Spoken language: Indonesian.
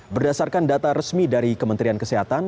berdasarkan data resmi dari kementerian kesehatan